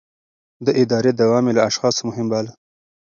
د ادارې دوام يې له اشخاصو مهم باله.